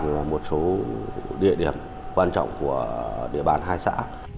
là một số địa điểm quan trọng của địa bàn hai xã